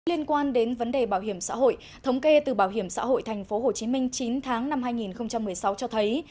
liên quan đến vấn đề bảo hiểm xã hội thống kê từ bảo hiểm xã hội tp hcm chín tháng năm hai nghìn một mươi sáu cho thấy